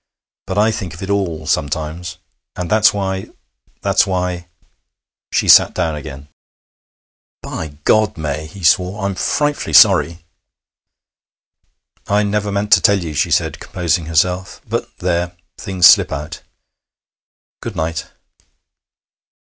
But I think of it all, sometimes. And that's why that's why ' She sat down again. 'By God, May,' he swore, 'I'm frightfully sorry!' 'I never meant to tell you,' she said, composing herself. 'But, there! things slip out. Good night.'